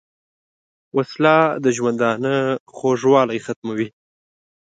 وسله د ژوندانه خوږوالی ختموي